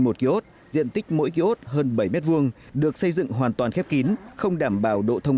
một kiosk diện tích mỗi kiosk hơn bảy m hai được xây dựng hoàn toàn khép kín không đảm bảo độ thông